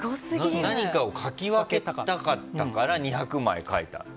何かを描き分けたかったから２００枚描いた。